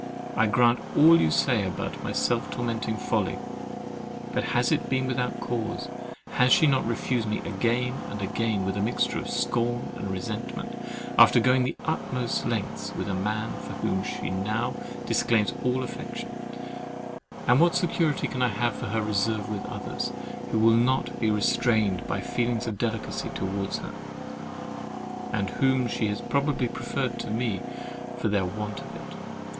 I grant all you say about my self tormenting folly: but has it been without cause? Has she not refused me again and again with a mixture of scorn and resentment, after going the utmost lengths with a man for whom she now disclaims all affection; and what security can I have for her reserve with others, who will not be restrained by feelings of delicacy towards her, and whom she has probably preferred to me for their want of it.